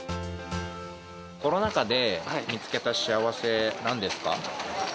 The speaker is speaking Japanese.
コロナ禍で見つけた幸せ、なんですか？